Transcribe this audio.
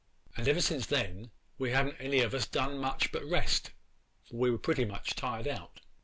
And ever since then we ha'n't any of us done much but rest, for we were pretty much tired out.